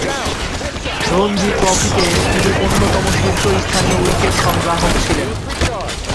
রঞ্জী ট্রফিতে তিনি অন্যতম শীর্ষস্থানীয় উইকেট সংগ্রাহক ছিলেন।